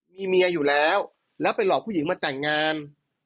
มีเมียอยู่แล้วแล้วไปหลอกผู้หญิงมาแต่งงาน